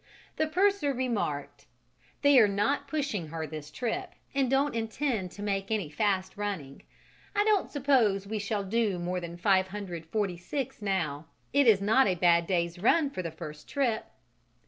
The purser remarked: "They are not pushing her this trip and don't intend to make any fast running: I don't suppose we shall do more than 546 now; it is not a bad day's run for the first trip."